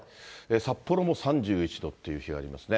札幌も３１度っていう日がありますね。